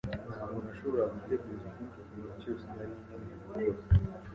Ntabwo nashoboraga gutekereza ikindi kintu cyose nari nkeneye gukora